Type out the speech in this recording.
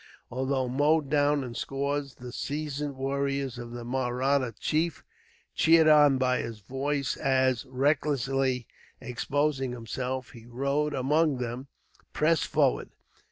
Although mowed down in scores, the seasoned warriors of the Mahratta chief, cheered on by his voice as, recklessly exposing himself, he rode among them, pressed forward.